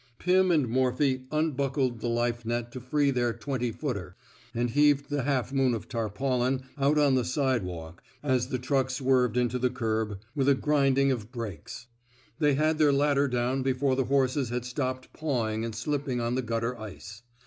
Pirn and Morphy unbuckled the life net to free their *^ twenty footer," and heaved the half moon of tarpaulin out on the sidewalk as the truck swerved into the curb with a grinding of brakes. They had their ladder down before the horses had stopped pawing and slipping on the gutter ice.